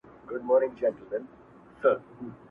د طالع ستوری یې پټ دی بخت یې تور دی؛